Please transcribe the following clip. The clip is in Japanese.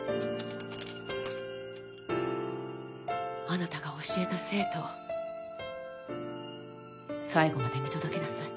あなたが教えた生徒を最後まで見届けなさい。